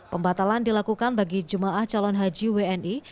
pembatalan dilakukan bagi jemaah calon haji wni